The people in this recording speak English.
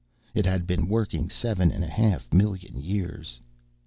It had been working seven and a half million years.